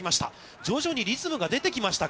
徐々にリズムが出てきましたか。